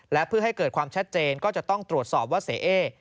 และเพื่อให้เกิดความชัดเจนก็จะต้องตรวจสอบว่าเสเอ๊